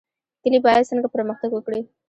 کلي باید څنګه پرمختګ وکړي؟